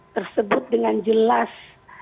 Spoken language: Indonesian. tersebut dengan jelas